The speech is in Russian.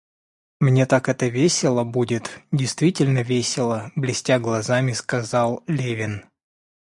Мне так это весело будет, — действительно весело блестя глазами, сказал Левин.